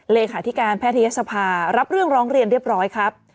เลขาธิการแพทยศภารับเรื่องร้องเรียนเรียบร้อยครับ